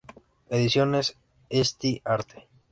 Ediciones Esti-Arte.